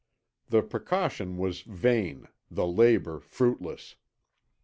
The precaution was vain, the labour fruitless.